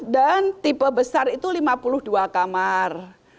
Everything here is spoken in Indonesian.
dan tipe besar itu lima puluh dua kamar